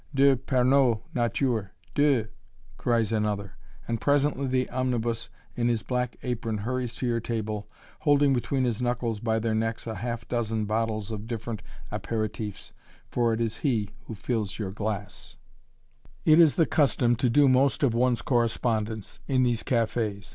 "Deux pernod nature, deux!" cries another, and presently the "Omnibus" in his black apron hurries to your table, holding between his knuckles, by their necks, half a dozen bottles of different apéritifs, for it is he who fills your glass. [Illustration: ALONG THE "BOUL' MICHE"] It is the custom to do most of one's correspondence in these cafés.